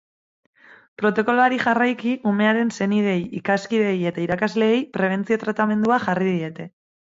Protokoloari jarraiki, umearen senideei, ikaskideei eta irakasleei prebentzio tratamendua jarri diete.